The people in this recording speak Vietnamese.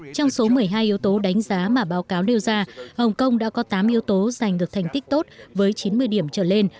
trong số một mươi hai yếu tố đánh giá mà báo cáo nêu ra hồng kông đã có tám yếu tố giành được thành tích tốt với chín mươi điểm trở lên